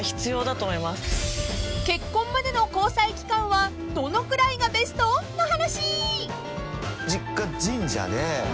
［結婚までの交際期間はどのくらいがベスト？の話］